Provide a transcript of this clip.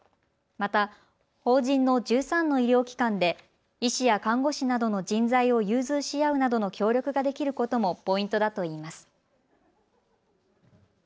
また、法人の１３の医療機関で医師や看護師などの人材を融通し合うなどの協力ができることもポイントだといいます。